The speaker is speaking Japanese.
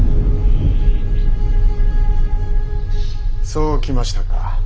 そう来ましたか。